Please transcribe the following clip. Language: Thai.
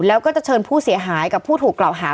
แล้วก็จะเชิญผู้เสียหายกับผู้ถูกกล่าวหา